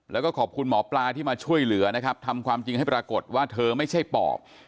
แล้วก็ขอบคุณหมอปลาที่มาช่วยเหลือนะครับทำความจริงให้ปรากฏว่าเธอไม่ใช่ปอบ